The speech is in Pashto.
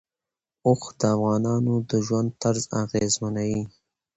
اوښ د افغانانو د ژوند طرز اغېزمنوي.